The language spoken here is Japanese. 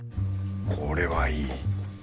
これはいい